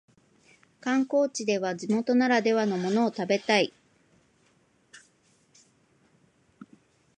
観光地では地元ならではのものを食べたい